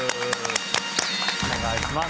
お願いします。